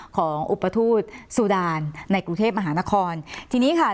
อุปทูตซูดานในกรุงเทพมหานครทีนี้ค่ะ